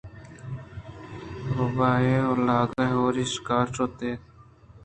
روباہے ءُ لاگے ہُوری ءَ شکار ءَ شُت اَنت